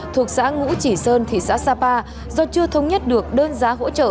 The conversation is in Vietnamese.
thuộc xã ngũ chỉ sơn thị xã sapa do chưa thống nhất được đơn giá hỗ trợ